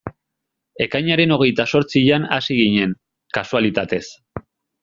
Ekainaren hogeita zortzian hasi ginen, kasualitatez.